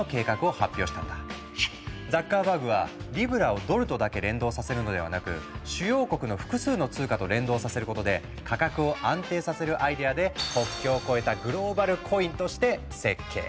ザッカーバーグはリブラをドルとだけ連動させるのではなく主要国の複数の通貨と連動させることで価格を安定させるアイデアで国境を越えた「グローバルコイン」として設計。